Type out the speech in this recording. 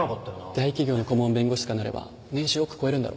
大企業の顧問弁護とかになれば年収億超えるんだろ？